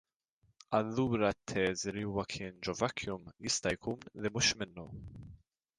Allura t-teżi li huwa kien ġo vacuum jista' jkun li mhux minnu.